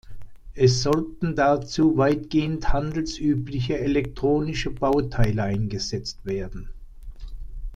Es sollten dazu weitgehend handelsübliche elektronische Bauteile eingesetzt werden.